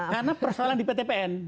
karena persoalan di ptpn